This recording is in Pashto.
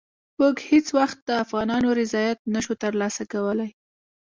موږ هېڅ وخت د افغانانو رضایت نه شو ترلاسه کولای.